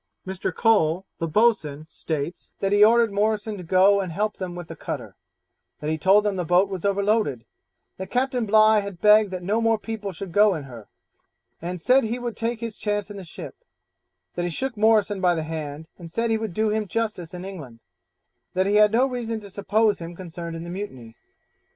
Mr. Cole, the boatswain, states, that he ordered Morrison to go and help them with the cutter; that he told him the boat was overloaded; that Captain Bligh had begged that no more people should go in her, and said he would take his chance in the ship; that he shook Morrison by the hand, and said he would do him justice in England; that he had no reason to suppose him concerned in the mutiny.